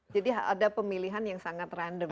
jadi ada pemilihan yang sangat random gitu